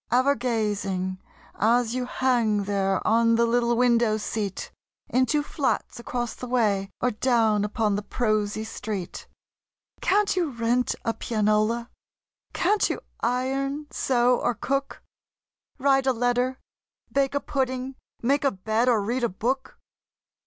Ever gazing, as you hang there on the little window seat, Into flats across the way or down upon the prosy street, Can't you rent a pianola? Can't you iron, sew, or cook? Write a letter, bake a pudding, make a bed or read a book?